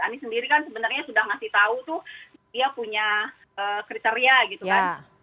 anies sendiri kan sebenarnya sudah ngasih tahu tuh dia punya kriteria gitu kan